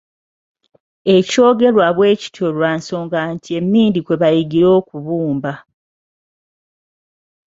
Ekyogerwa bwe kityo lwa nsonga nti emmindi kwe bayigira okubumba.